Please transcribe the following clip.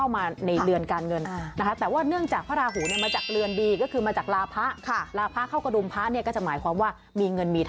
แบบจะได้ปลดหนี้